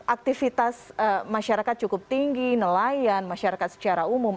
aktivitas masyarakat cukup tinggi nelayan masyarakat secara umum